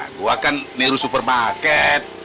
nah gue kan nih lo supermarket